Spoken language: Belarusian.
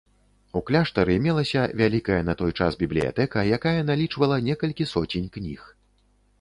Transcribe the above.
У кляштары мелася вялікая на той час бібліятэка, якая налічвала некалькі соцень кніг.